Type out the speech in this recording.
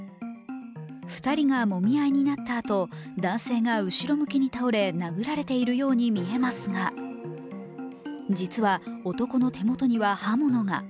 ２人がもみ合いになったあと、男性が後ろ向きに倒れ、殴られているように見えますが、実は男の手元には刃物が。